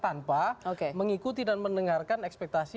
tanpa mengikuti dan mendengarkan ekspektasi